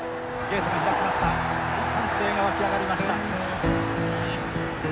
大歓声が沸き上がりました。